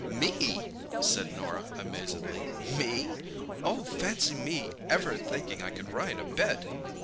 "Me?" said Norah amazedly; "me? Oh, fancy me ever thinking I could ride a bit!"